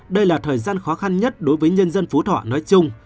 đây là thời gian khó khăn nhất đối với nhân dân phú thọ nói chung